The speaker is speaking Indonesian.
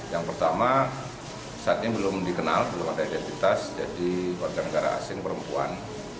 yang pertama saat ini belum dikenal belum ada identitas jadi warga negara asing perempuan